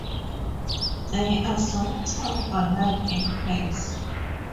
They are solitary or live in pairs.